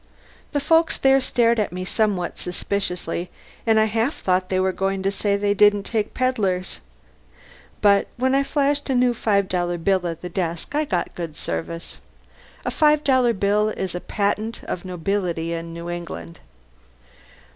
The folks there stared at me somewhat suspiciously and I half thought they were going to say they didn't take pedlars; but when I flashed a new five dollar bill at the desk I got good service. A five dollar bill is a patent of nobility in New England.